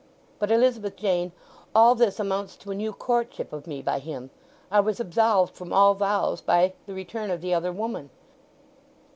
But, Elizabeth Jane, all this amounts to a new courtship of me by him; I was absolved from all vows by the return of the other woman."